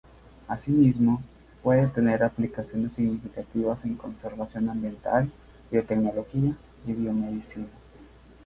Asimismo, puede tener aplicaciones significativas en conservación ambiental, biotecnología y biomedicina.